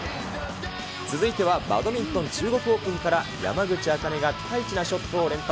続いてはバドミントン中国オープンから、山口茜がピカイチなショットを連発。